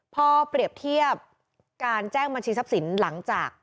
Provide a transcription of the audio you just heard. พอเปรียบเทียบการแจ้งบัญชีทรัพย์สินหลังจาก